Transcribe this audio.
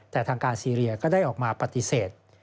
แต่ทางการซีเรียก็ได้ออกมาปฏิเสธ